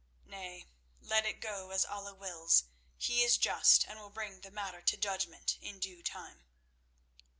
Nay, let it go as Allah wills. He is just, and will bring the matter to judgment in due time."